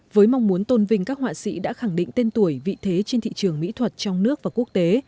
với mong muốn tôn vinh các họa sĩ đã khẳng định tên tuổi vị thế trên thị trường mỹ thuật trong nước và quốc tế